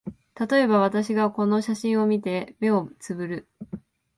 たとえば、私がこの写真を見て、眼をつぶる